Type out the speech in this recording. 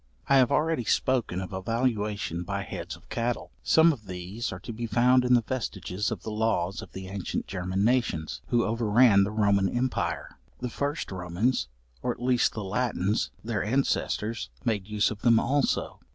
I have already spoken of a valuation by heads of cattle; some of these are to be found in the vestiges of the laws of the ancient German nations, who over ran the Roman empire. The first Romans, or at least the Latins, their ancestors, made use of them also.